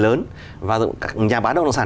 lớn và nhà bán đồng sản